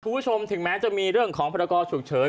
ทุกผู้ชมถึงแม้จะมีเรื่องของพันธกรฉุกเฉิน